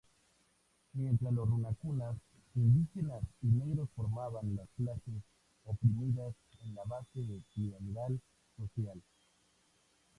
Mientras los runacunas-indígenas y negros formaban las clases oprimidas en la base piramidal social.